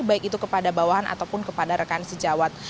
baik itu kepada bawahan ataupun kepada rekan sejawat